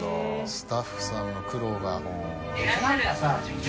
スタッフさんの苦労が。